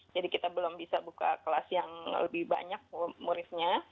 jadi kita belum bisa buka kelas yang lebih banyak muridnya